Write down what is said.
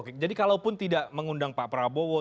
oke jadi kalaupun tidak mengundang pak prabowo